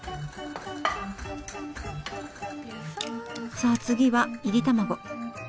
さあ次はいり卵。